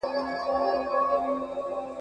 له رباب څخه به هېر نوم د اجل وي ..